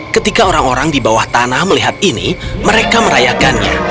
ketika orang orang di bawah tanah melihat ini mereka merayakannya